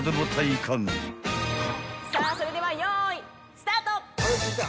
さあそれではよいスタート。